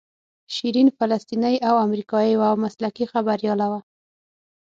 شیرین فلسطینۍ او امریکایۍ وه او مسلکي خبریاله وه.